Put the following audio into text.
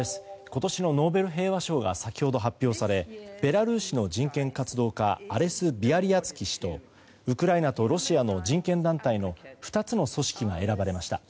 今年のノーベル平和賞が先ほど発表されベラルーシの人権活動家アレス・ビアリアツキ氏とウクライナとロシアの人権団体の２つの組織が選ばれました。